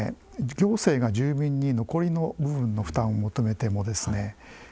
行政が住民に残りの部分の負担を求めてもですね